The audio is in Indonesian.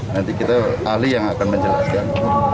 nanti kita ahli yang akan menjelaskan